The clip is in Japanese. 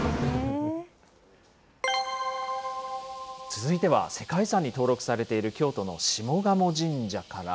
続いては、世界遺産に登録されている京都の下鴨神社から。